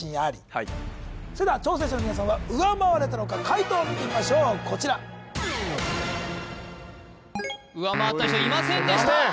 はいそれでは挑戦者の皆さんは上回れたのか解答を見てみましょうこちら上回った人いませんでした・ダメ？